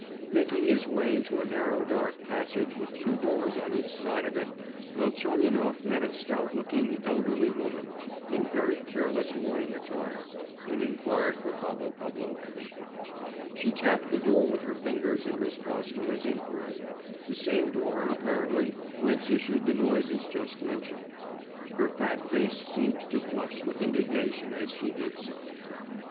Making his way into a narrow dark passage with two doors on each side of it, Velchaninoff met a stout looking, elderly woman, in very careless morning attire, and inquired for Pavel Pavlovitch. She tapped the door with her fingers in response to his inquiry—the same door, apparently, whence issued the noises just mentioned. Her fat face seemed to flush with indignation as she did so.